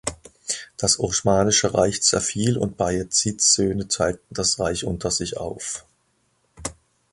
Das osmanische Reich zerfiel und Bayezids Söhne teilten das Reich unter sich auf.